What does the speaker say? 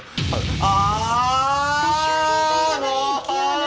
ああ！